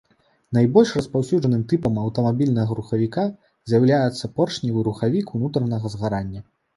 Найбольш распаўсюджаным тыпам аўтамабільнага рухавіка з'яўляецца поршневы рухавік унутранага згарання.